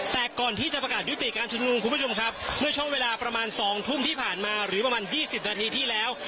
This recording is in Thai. แต่ก่อนที่จะประกาศยุติการชุมนุมคุณผู้ชมครับเมื่อช่วงเวลาประมาณ๒ทุ่มที่ผ่านมาหรือประมาณ๒๐นาทีที่แล้ว